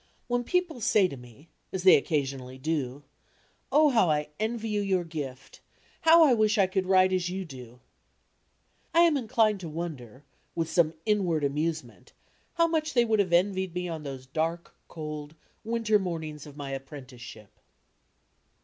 When people say to me, as they occasionally do, "Oh, how I envy you your gift, how I wish I could write as you do," I am inclined to wonder, with some inward amuse ment, how much they would have envied me on those dark, cold, winter mornings of my apprenticeship.